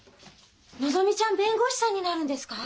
のぞみちゃん弁護士さんになるんですか？